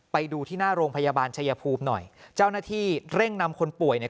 ไปดูที่หน้าโรงพยาบาลชายภูมิหน่อยเจ้าหน้าที่เร่งนำคนป่วยเนี่ย